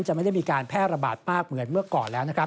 ไม่ได้มีการแพร่ระบาดมากเหมือนเมื่อก่อนแล้วนะครับ